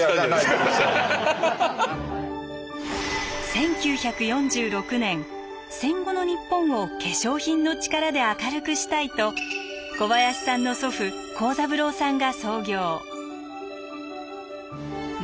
１９４６年戦後の日本を化粧品の力で明るくしたいと小林さんの祖父孝三郎さんが創業。